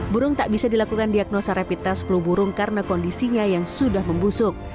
burung tak bisa dilakukan diagnosa rapid test flu burung karena kondisinya yang sudah membusuk